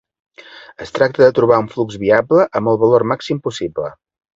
Es tracta de trobar un flux viable amb el valor màxim possible.